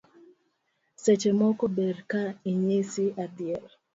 Seche moko ber ka inyisi adier